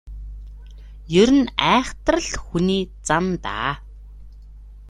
Ер нь айхавтар л хүний зан даа.